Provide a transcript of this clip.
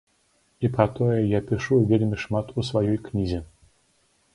І пра тое я пішу вельмі шмат у сваёй кнізе.